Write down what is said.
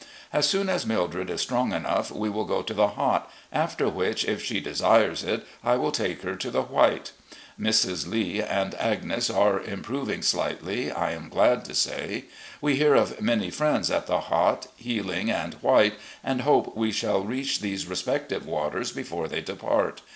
As soon as Mildred is strong enough, we will go to the Hot, after which, if she desires it, I will take her to the White. Mrs. Lee and Agnes are improving slightly, I am glad to say. We hear of many friends at the Hot, Healing, and White, and hope we shall reach these respective waters before they depart.